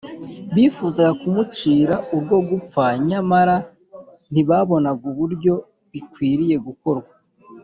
bifuzaga kumucira urwo gupfa, nyamara ntibabonaga uburyo bikwiriye gukorwa